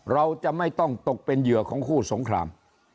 เราจะไม่ต้องตกเป็นเหยื่อของคู่สงคราม